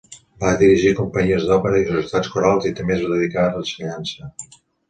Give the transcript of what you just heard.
Va dirigir companyies d'òpera i societats corals i també es dedicà a l'ensenyança.